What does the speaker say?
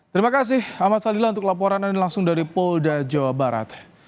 terima kasih ahmad sadila untuk laporan anda langsung dari polda jawa barat